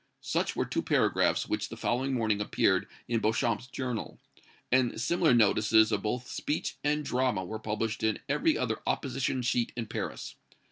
Such were two paragraphs which the following morning appeared in Beauchamp's journal, and similar notices of both speech and drama were published in every other opposition sheet in Paris.